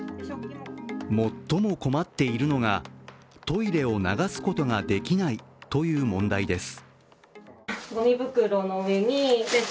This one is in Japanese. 最も困っているのがトイレを流すことができないという問題です。